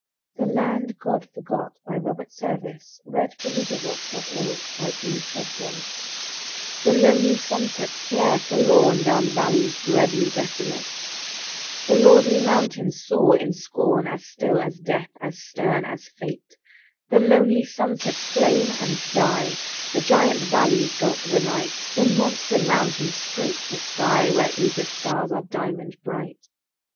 n and Other Verses — THE LAND GOD FORGOTRobert William Service THE LAND GOD FORGOT The lonely sunsets flare forlorn Down valleys dreadly desolate; The lordly mountains soar in scorn As still as death, as stern as fate. The lonely sunsets flame and die; The giant valleys gulp the night; The monster mountains scrape the sky, Where eager stars are diamond bright.